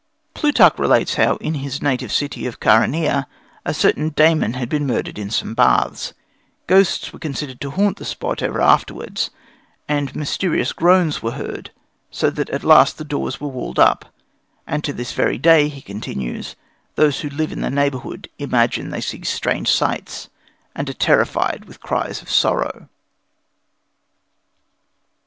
Plutarch relates how, in his native city of Chæronæa, a certain Damon had been murdered in some baths. Ghosts continued to haunt the spot ever afterwards, and mysterious groans were heard, so that at last the doors were walled up. "And to this very day," he continues, "those who live in the neighbourhood imagine that they see strange sights and are terrified with cries of sorrow."